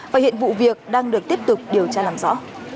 và hiện vụ việc đang được tiếp tục điều tra làm rõ